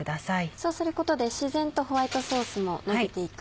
そうすることで自然とホワイトソースものびて行く。